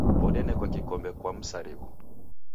Odenekwa kikombe kwa msarigho